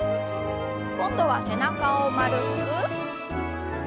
今度は背中を丸く。